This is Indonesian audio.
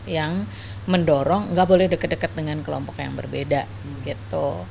yang mendorong nggak boleh deket deket dengan kelompok yang berbeda gitu